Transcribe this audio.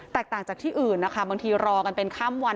ต่างจากที่อื่นนะคะบางทีรอกันเป็นข้ามวัน